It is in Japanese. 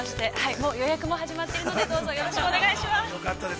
もう予約も始まっているのでどうぞ、よろしくお願いします。